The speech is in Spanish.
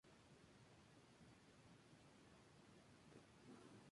Ver historia de Curiel de Duero y del Valle del Cuco.